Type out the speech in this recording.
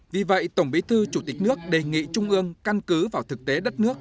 vì vậy tổng bí thư chủ tịch nước đề nghị trung ương căn cứ vào thực tế đất nước